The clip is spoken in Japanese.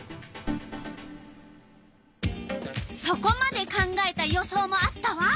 そこまで考えた予想もあったわ。